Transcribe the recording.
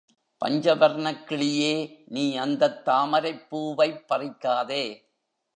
பஞ்சவர்ணக்கிளியே, நீ அந்தத் தாமரைப் பூவைப் பறிக்காதே.